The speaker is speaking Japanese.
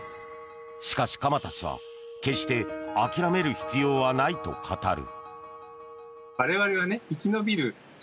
しかし、鎌田氏は決して諦める必要はないと語る。